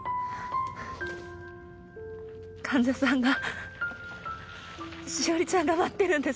患者さんが汐里ちゃんが待ってるんです